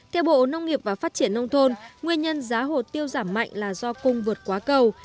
theo bộ nông nghiệp và phát triển nông thôn nguyên nhân giá hồ tiêu giảm mạnh là do cung vượt quá cầu